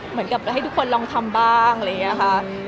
เหมือนกับให้ทุกคนลองทำบ้างอะไรอย่างนี้ค่ะ